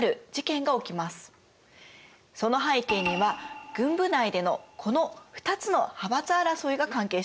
その背景には軍部内でのこの２つの派閥争いが関係しています。